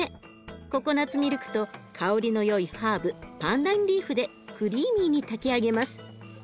ココナツミルクと香りのよいハーブパンダンリーフでクリーミーに炊き上げます。